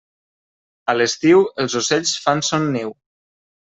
A l'estiu, els ocells fan son niu.